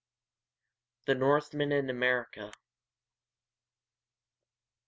THE NORTHMEN IN AMERICA.